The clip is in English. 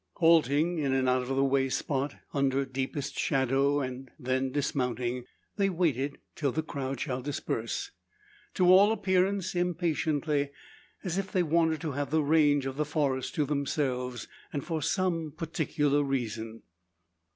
Halting in an out of the way spot, under deepest shadow, and then dismounting, they wait till the crowd shall disperse. To all appearance impatiently, as if they wanted to have the range of the forest to themselves, and for some particular reason.